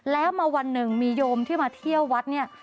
แล้วมาวันหนึ่งมีโยมที่มาเที่ยววัดเนี่ย